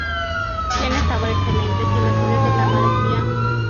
Tiene sabor excelente, sin la acidez de la maracuyá.